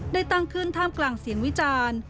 ได้ตั้งขึ้นท่ามกลางเสียงวิจารณ์